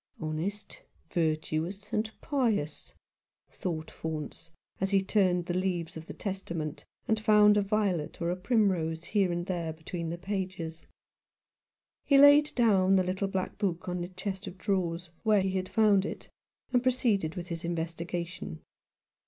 " Honest, virtuous, and pious," thought Faunce, as he turned the leaves of the Testament, and found a violet or a primrose here and there between the pages. He laid down the little black book on the chest of drawers, where he had found it, and proceeded with his investigation.